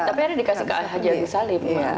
tapi ada dikasih ke haji agus salim